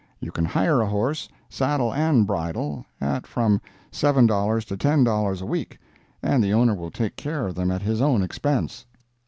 You can hire a horse, saddle and bridle at from $7 to $10 a week, and the owner will take care of them at his own expense.